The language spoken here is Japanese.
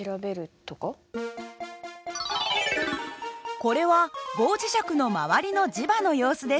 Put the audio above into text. これは棒磁石のまわりの磁場の様子です。